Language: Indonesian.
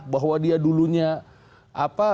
bahwa dia dulunya